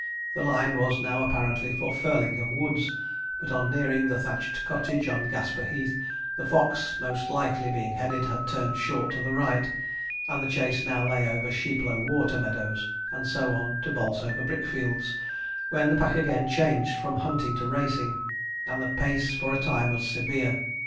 The line was now apparently for Firlingham Woods; but on nearing the thatched cottage on Gasper Heath, the fox, most likely being headed, had turned short to the right; and the chase now lay over Sheeplow Water meadows, and so on to Bolsover brick fields, when the pack again changed from hunting to racing, and the pace for a time was severe.